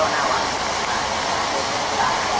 สวัสดีครับ